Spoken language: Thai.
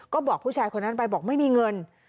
ก็บอกผู้ชายคนนั้นไปบอกไม่มีเงิน